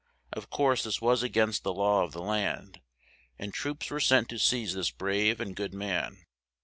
Of course this was a gainst the law of the land, and troops were sent to seize this brave and good man.